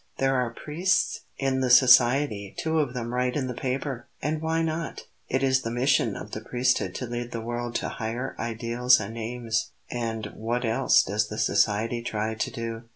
There are priests in the society two of them write in the paper. And why not? It is the mission of the priesthood to lead the world to higher ideals and aims, and what else does the society try to do?